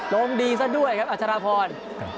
ลงดีซะด้วยครับอัชราพร